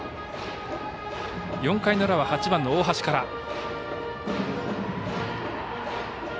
４回の裏は８番の大橋から。